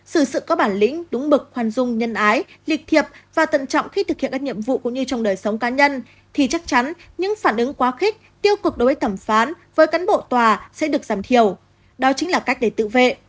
sử sự có bản lĩnh đúng mực khoan dung nhân ái lịch thiệp và tận trọng khi thực hiện các nhiệm vụ cũng như trong đời sống cá nhân thì chắc chắn những phản ứng quá khích tiêu cực đối với thẩm phán với cán bộ tòa sẽ được giảm thiểu đó chính là cách để tự vệ